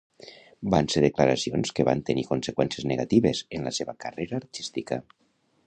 Van ser declaracions que van tenir conseqüències negatives en la seva carrera artística.